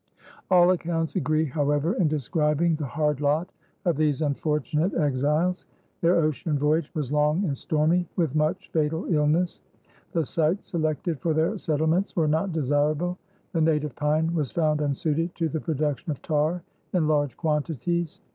All accounts agree, however, in describing the hard lot of these unfortunate exiles. Their ocean voyage was long and stormy with much fatal illness. The sites selected for their settlements were not desirable. The native pine was found unsuited to the production of tar in large quantities.